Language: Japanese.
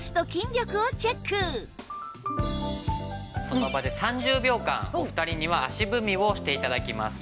その場で３０秒間お二人には足踏みをして頂きます。